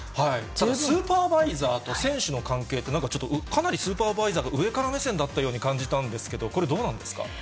スーパーバイザーと選手の関係って、ちょっとかなりスーパーバイザーが上から目線だったように感じたんですけど、これ、どうなんですか。